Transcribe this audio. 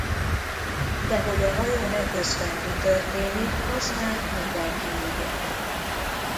De hogy a hajón eközben mi történik az már mindenki ügye.